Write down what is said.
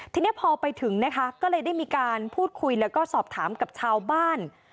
ทีนี้พอไปถึงนะคะก็เลยได้มีการพูดคุยแล้วก็สอบถามกับชาวบ้าน